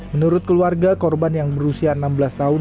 menurut keluarga korban yang berusia enam belas tahun